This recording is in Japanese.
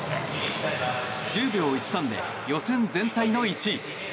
１０秒１３で予選全体の１位。